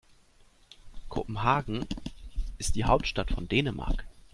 Kopenhagen ist die Hauptstadt von Dänemark.